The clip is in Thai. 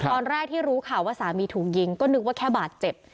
ตอนแรกที่รู้ข่าวว่าสามีถูกยิงก็นึกว่าแค่บาดเจ็บ